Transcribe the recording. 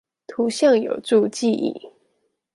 圖像有助記憶！